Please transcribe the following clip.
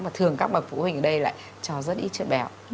và thường các bà phụ huynh ở đây lại cho rất ít chất béo